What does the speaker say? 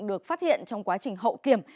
được phát hiện trong quá trình hậu kiểm